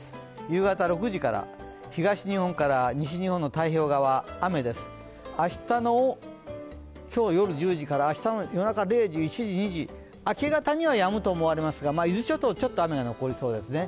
夕方６時から、東日本から西日本の太平洋側雨です、今日夜１０時から明け方にはやむと思われますが、伊豆諸島はちょっと雨が残りそうですね。